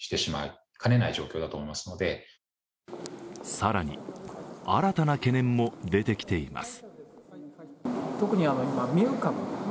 更に、新たな懸念も出てきています。